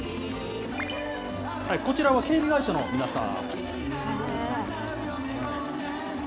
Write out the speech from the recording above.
こちらは警備会社のみなさん。